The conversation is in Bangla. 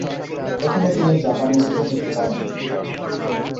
প্রথমে তিনি জাপানি স্কুলে যেতে চান নি।